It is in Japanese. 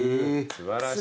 素晴らしい。